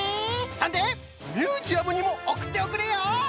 そんでミュージアムにもおくっておくれよ。